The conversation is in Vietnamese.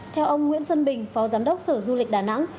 theo ông nguyễn xuân bình phó giám đốc sở du lịch đà nẵng